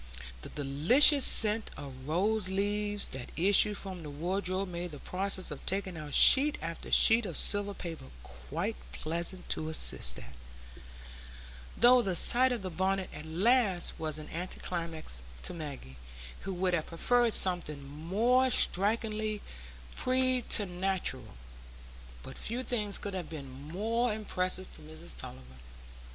The delicious scent of rose leaves that issued from the wardrobe made the process of taking out sheet after sheet of silver paper quite pleasant to assist at, though the sight of the bonnet at last was an anticlimax to Maggie, who would have preferred something more strikingly preternatural. But few things could have been more impressive to Mrs Tulliver.